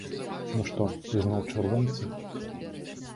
Ну што, ізноў чырвонцы?